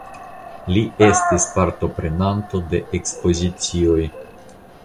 Li estis partoprenanto de ekspozicioj.